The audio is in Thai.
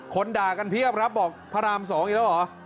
ด่ากันเพียบครับบอกพระราม๒อีกแล้วเหรอ